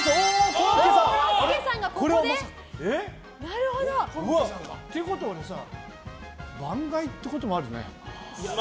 コロッケさんがここで？ということはこれさ番外ってこともあるね。